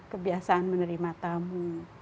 kebiasaan menerima tamu